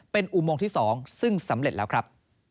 เป็นอุโมงที่๒ซึ่งสำเร็จแล้วครับ